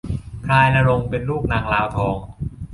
พลายณรงค์เป็นลูกนางลาวทอง